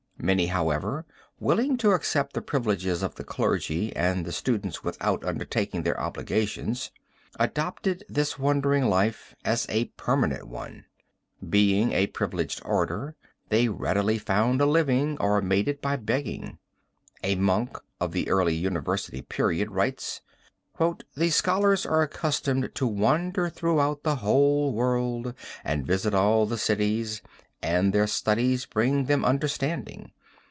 Many, however, willing to accept the privileges of the clergy and the students without undertaking their obligations, adopted this wandering life as a permanent one. Being a privileged order, they readily found a living, or made it by begging. A monk of the early university period writes: 'The scholars are accustomed to wander throughout the whole world and visit all the cities, and their many studies bring them understanding.